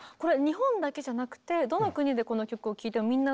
日本だけじゃなくてどの国でこの曲を聴いてもみんな懐かしいってなる？